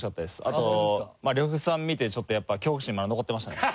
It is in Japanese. あとまあ呂布さん見てちょっとやっぱ恐怖心まだ残ってましたね。